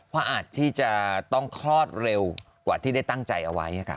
อาจที่จะต้องคลอดเร็วกว่าที่ได้ตั้งใจเอาไว้